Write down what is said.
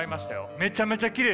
めちゃめちゃきれい。